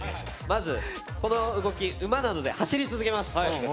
まず、この動き馬なので走り続けます。